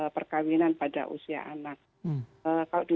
perkawinan pada usia anak kalau di